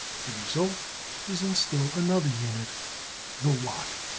The result is in still another unit, the watt.